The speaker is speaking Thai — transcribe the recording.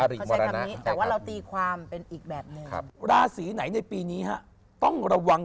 เขาใช้คำนี้แต่ว่าเราตีความเป็นอีกแบบหนึ่งราศีไหนในปีนี้ฮะต้องระวัง